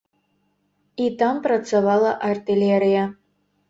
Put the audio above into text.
І там працавала артылерыя.